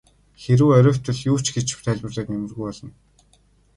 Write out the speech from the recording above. Хэрэв оройтвол юу ч гэж тайлбарлаад нэмэргүй болно.